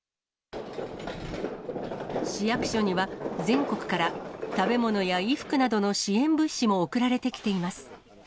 市役所には全国から食べ物や衣服などの支援物資も送られてきています。